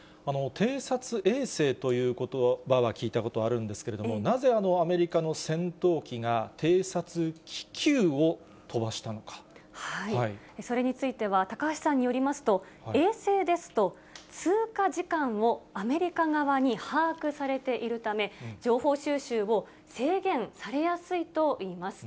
偵察衛星ということばは聞いたことはあるんですけど、なぜアメリカの戦闘機が、それについては、高橋さんによりますと、衛星ですと、通過時間をアメリカ側に把握されているため、情報収集を制限されやすいといいます。